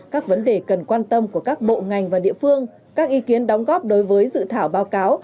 các vấn đề cần quan tâm của các bộ ngành và địa phương các ý kiến đóng góp đối với dự thảo báo cáo